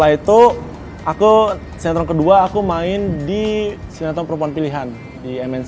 itu aku sinetron kedua aku main di sinetron perempuan pilihan di mnc